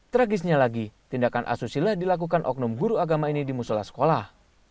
tragisnya lagi tindakan asusila dilakukan oknum guru agama ini di musola sekolah